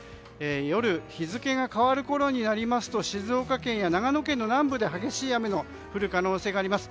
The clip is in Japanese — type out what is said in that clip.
夜日付が変わるころになりますと静岡県や長野県南部で激しい雨の降る可能性があります。